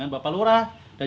masa aku dikeluarahan tahun ini